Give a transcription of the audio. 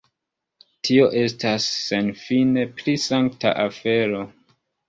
Tio estas senfine pli sankta afero.